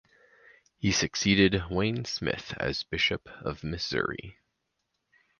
He succeeded Wayne Smith as Bishop of Missouri.